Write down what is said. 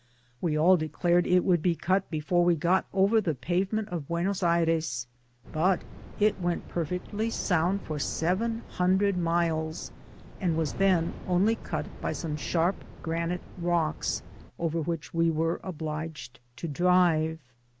We all declared it would be destroyed before it got over the pavement of Buenos Aires, but it w^nt perfectly sound for seven hundred miles, and was then only cut by some sharp granite rocks over which we were obUged to drive.